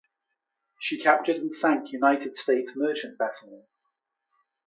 She captured and sank United States merchant vessels.